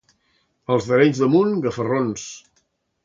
Els d'Arenys de Munt, gafarrons.